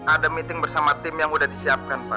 ada meeting bersama tim yang sudah disiapkan pak